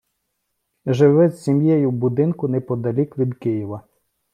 Живе з сім’єю в будинку неподалік від Києва.